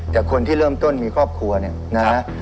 แต่คนที่เริ่มต้นมีครอบครัวเนี่ยนะ